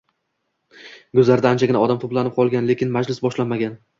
Guzarda anchagina odam toʻplanib qolgan, lekin majlis boshlanmagan.